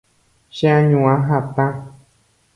cheañua hatã